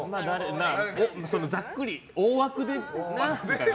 ざっくり、大枠でみたいな。